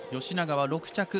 吉永は６着。